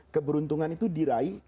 keberuntungan itu diraih